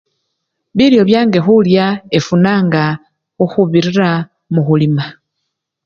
Bilyo byange khulya efunanga mukhubirira mukhulima.